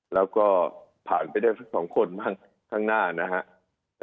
แล้วก็ผ่านไปได้แทบสองคนบ้างข้างหน้านะฮะ